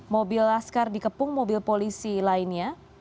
mobil laskar dikepung mobil polisi lainnya